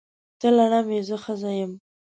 ته لړم یې! زه ښځه یم.